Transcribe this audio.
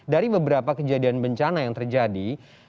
dari beberapa kejadian bencana yang terjadi